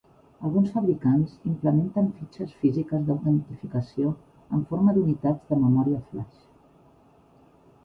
Alguns fabricants implementen fitxes físiques d'autenticació en forma d'unitats de memòria flash.